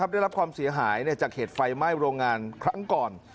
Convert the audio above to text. ได้รับความเสียหายจากเหตุไฟไหม้โรงงานครั้งก่อน